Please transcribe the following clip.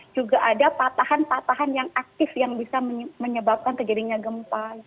juga ada patahan patahan yang aktif yang bisa menyebabkan terjadinya gempa